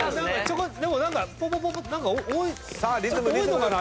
でも何かポポポポ多いのかな？